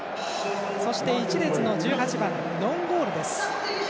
そして１列の１８番ノンゴールです。